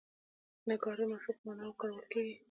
نګار د معشوق په معنی کارول کیږي.